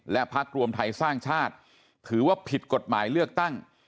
และพักรวมไทยสร้างชาติถือว่าผิดกฎหมายเลือกตั้ง